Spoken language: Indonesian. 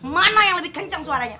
mana yang lebih kencang suaranya